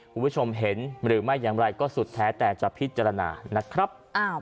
คุณผู้ชมเห็นหรือไม่อย่างไรก็สุดแท้แต่จะพิจารณานะครับ